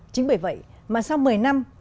chính bởi vậy mà sau một mươi năm